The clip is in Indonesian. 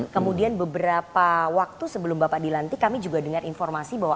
kemudian beberapa waktu sebelum bapak dilantik kami juga dengar informasi bahwa